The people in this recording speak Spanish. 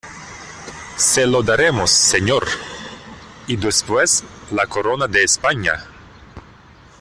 se lo daremos, señor... y después la corona de España .